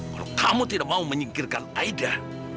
kalau kamu tidak mau menyingkirkan aida